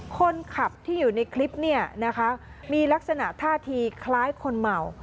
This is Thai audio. คนขับที่อยู่ในคลิปเนี่ยนะคะมีลักษณะท่าทีคล้ายคนเมา